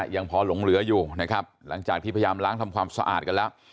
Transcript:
ยังพอหลงเหลืออยู่นะครับหลังจากที่พยายามล้างทำความสะอาดกันแล้ว